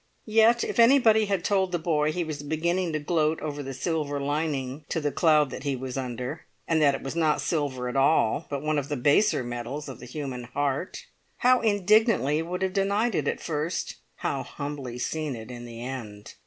Yet if anybody had told the boy he was beginning to gloat over the silver lining to the cloud that he was under, and that it was not silver at all but one of the baser metals of the human heart, how indignantly he would have denied it at first, how humbly seen it in the end!